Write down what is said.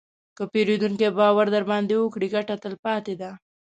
که پیرودونکی باور درباندې وکړي، ګټه تلپاتې ده.